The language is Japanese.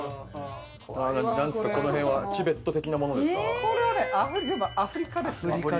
この辺はチベット的なものでアフリカです。